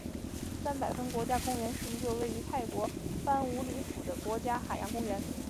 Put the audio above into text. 三百峰国家公园是一座位于泰国班武里府的国家海洋公园。